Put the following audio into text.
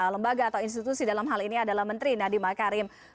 lembaga atau institusi dalam hal ini adalah menteri nadiem akarim